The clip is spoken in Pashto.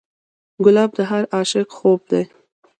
ګلاب د هر عاشق خوب دی.